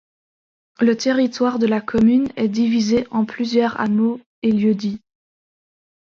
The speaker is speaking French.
Le territoire de la commune est divisé en plusieurs hameaux et lieux-dits.